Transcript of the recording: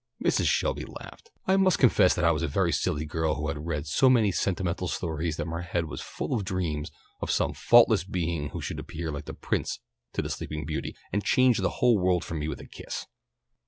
Mrs. Shelby laughed. "I must confess that I was a very silly girl who had read so many sentimental stories that my head was full of dreams of some faultless being who should appear like the prince to the Sleeping Beauty and change the whole world for me with a kiss.